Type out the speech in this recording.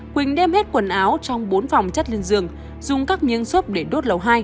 quỳnh đem hết quần áo trong bốn phòng chất lên giường dùng các nghiêng xốp để đốt lầu hai